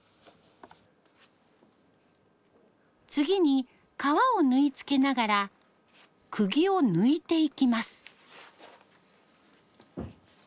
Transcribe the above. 次に革を縫いつけながら釘を抜いていきます。